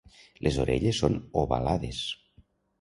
Les orelles són ovalades.